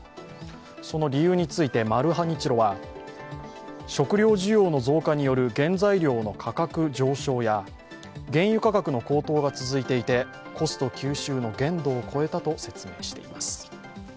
その理由についてマルハニチロは食料需要の増加による原材料の価格上昇や原油価格の高騰が続いていてコスト吸収の限度を超えたと説明しています。